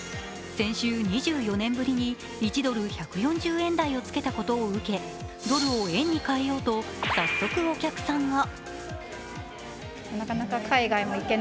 先週、２４年ぶりに１ドル＝１４０円台をつけたことを受けドルを円に替えようと早速お客さんが。